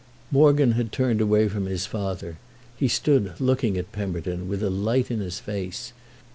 Morgan had turned away from his father—he stood looking at Pemberton with a light in his face.